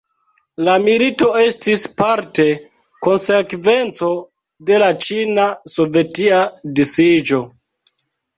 La milito estis parte konsekvenco de la Ĉina-sovetia disiĝo.